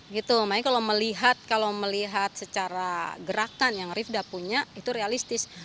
gitu makanya kalau melihat secara gerakan yang rifdar punya itu realistis